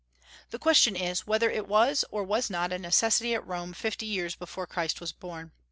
The question is, whether it was or was not a necessity at Rome fifty years before Christ was born.